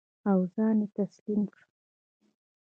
او ځان یې تسلیم کړ.